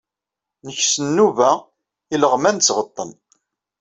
Nkes n nuba ileɣman d tɣeṭṭen.